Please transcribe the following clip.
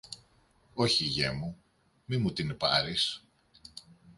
Όχι, γιε μου, μη μου την πάρεις